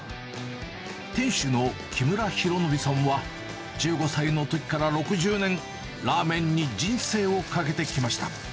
店主の木村浩敬さんは、１５歳のときから６０年、ラーメンに人生をかけてきました。